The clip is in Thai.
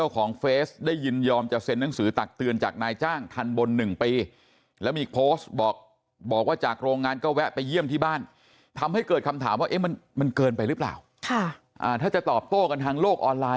ถ้ามันเกินไปหรือเปล่าถ้าจะตอบโต้กันทางโลกออนไลน